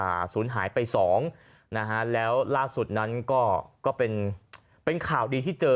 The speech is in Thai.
ศูนย์หายไปสองนะฮะแล้วล่าสุดนั้นก็ก็เป็นเป็นข่าวดีที่เจอ